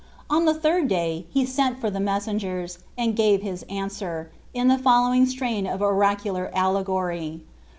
On the third day he sent for the messengeia, and gave fail in the following strain of oracular allegory.